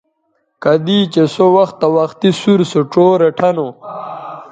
کدی چہء سو وختہ وختی سُور سو ڇو ریٹھہ نو